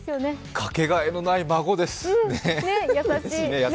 かけがえのない孫です、優しいね。